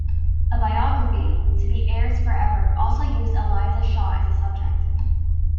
A biography, "To Be Heirs Forever", also used Eliza Shaw as a subject.